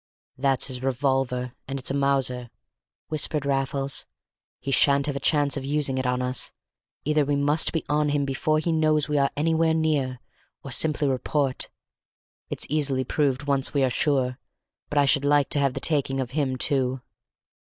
"That's his revolver, and it's a Mauser," whispered Raffles. "He shan't have a chance of using it on us; either we must be on him before he knows we are anywhere near, or simply report. It's easily proved once we are sure; but I should like to have the taking of him too."